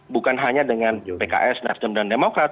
bukan hanya dengan pks nasdem dan demokrat